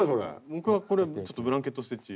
僕はこれちょっとブランケットステッチ。